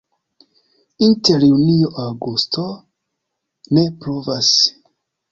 Inter junio-aŭgusto ne pluvas.